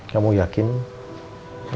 dari itu ya